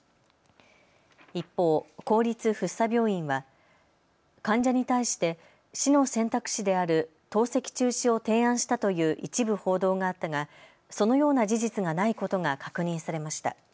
一方、公立福生病院は患者に対して死の選択肢である透析中止を提案したという一部報道があったがそのような事実がないことが確認されました。